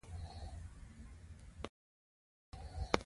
چې د تیرا د چورې په سیمه کې یې د مغولو پروړاندې کولې؛